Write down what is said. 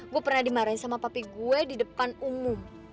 gue pernah dimarahin sama papa gue di depan umum